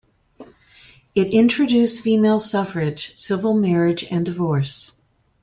It introduced female suffrage, civil marriage and divorce.